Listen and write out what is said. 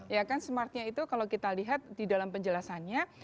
ya kan smartnya itu kalau kita lihat di dalam penjelasannya